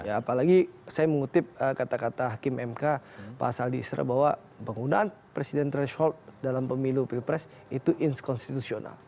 apalagi saya mengutip kata kata hakim mk pasal di isra bahwa penggunaan presiden threshold dalam pemilu pilpres itu inskonstitusional